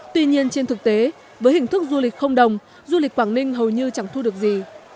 tuy nhiên trên thực tế với hình thức du lịch không đồng du lịch quảng ninh hầu như chẳng thu được gì